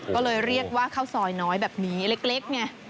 ก็เลยเรียกว่าข้าวซอยน้อยแบบนี้เล็กไง